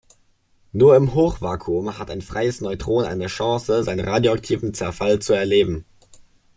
Nur im Hochvakuum hat ein freies Neutron eine „Chance“, seinen radioaktiven Zerfall zu „erleben“.